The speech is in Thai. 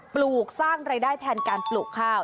ปลูกสร้างรายได้แทนการปลูกข้าว